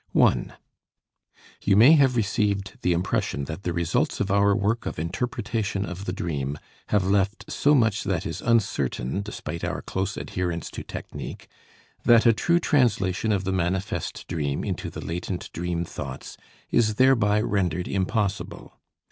1. You may have received the impression that the results of our work of interpretation of the dream have left so much that is uncertain, despite our close adherence to technique, that a true translation of the manifest dream into the latent dream thoughts is thereby rendered impossible.